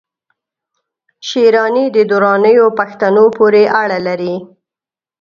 شېراني د درانیو پښتنو پوري اړه لري